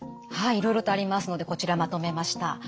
はいいろいろとありますのでこちらまとめました。